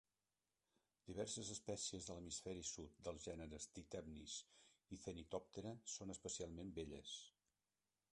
Diverses espècies de l'hemisferi sud dels gèneres Trithemis i Zenithoptera són especialment belles.